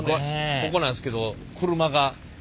ここなんですけど車が。